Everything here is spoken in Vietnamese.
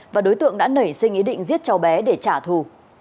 và đối tượng đã nảy sinh ý định giết cháu bé để trả thù